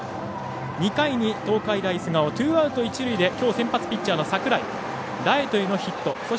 ２回に東海大菅生ツーアウト、一塁で先発ピッチャーの櫻井ライトへのヒット。